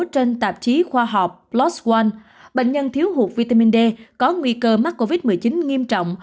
trên tạp chí khoa học plas wal bệnh nhân thiếu hụt vitamin d có nguy cơ mắc covid một mươi chín nghiêm trọng